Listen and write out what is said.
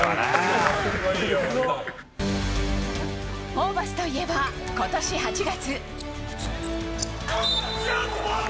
ホーバスといえば今年８月。